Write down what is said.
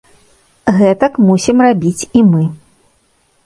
Гэтак мусім рабіць і мы.